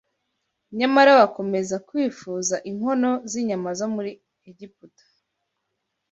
Nyamara bakomeza kwifuza inkono z’inyama zo muri Egiputa